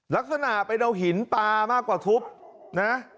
ลักษณะไปเอาหินปลามากกว่าทุบนะ